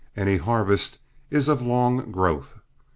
Any harvest is of long growth.